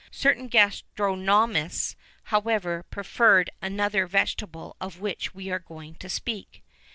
[VIII 16] Certain gastronomists, however, preferred another vegetable of which we are going to speak.